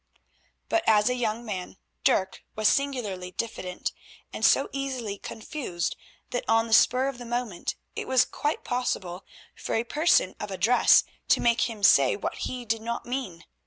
But as a young man, Dirk was singularly diffident and so easily confused that on the spur of the moment it was quite possible for a person of address to make him say what he did not mean.